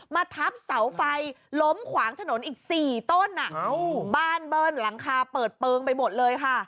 ทับเสาไฟล้มขวางถนนอีก๔ต้นบ้านเบิ้ลหลังคาเปิดเปลืองไปหมดเลยค่ะ